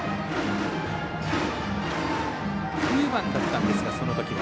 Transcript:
９番だったんですが、そのときは。